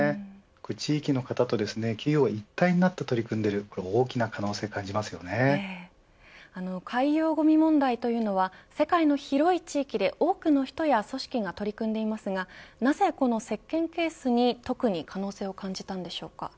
地域の方と企業が一体となって取り組んでいる海洋ごみ問題というのは世界の広い地域で多くの人や組織が取り組んでいますがなぜ、このせっけんケースに特に可能性を感じたんでしょうか。